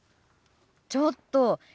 ちょっと！